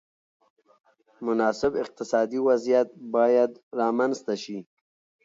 مناسب اقتصادي وضعیت باید رامنځته شي.